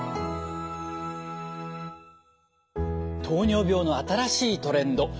糖尿病の新しいトレンド。